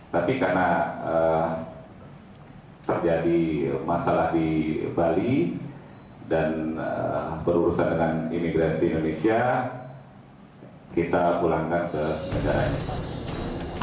tapi karena terjadi masalah di bali dan berurusan dengan imigrasi indonesia kita pulangkan ke negaranya